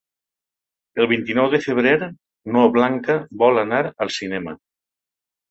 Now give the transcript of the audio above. El vint-i-nou de febrer na Blanca vol anar al cinema.